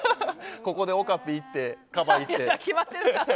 ここでオカピ行ってカバ見てって。